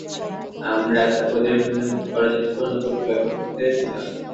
আমরা ওদের ভিন্নমুখী করার জন্য পুরনো কৌশল ব্যবহার করেছিলাম।